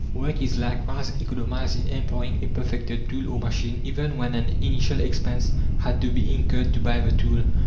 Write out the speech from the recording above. Work is likewise economized in employing a perfected tool or machine, even when an initial expense had to be incurred to buy the tool.